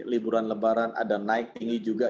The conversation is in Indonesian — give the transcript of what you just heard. liburan lebaran ada naik tinggi juga